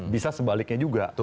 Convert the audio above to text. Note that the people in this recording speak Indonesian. bisa sebaliknya juga